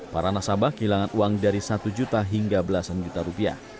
para nasabah kehilangan uang dari satu juta hingga belasan juta rupiah